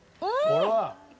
これは。